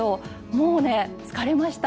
もうね、疲れました。